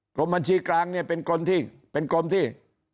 กรมบัญชีกลางเป็นกรมที่